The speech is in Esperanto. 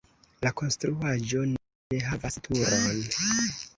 La konstruaĵo ne havas turon.